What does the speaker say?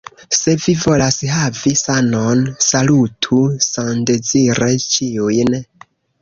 Se vi volas havi sanon, salutu sandezire ĉiujn.